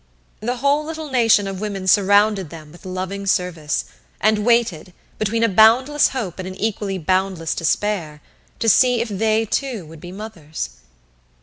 The whole little nation of women surrounded them with loving service, and waited, between a boundless hope and an equally boundless despair, to see if they, too, would be mothers.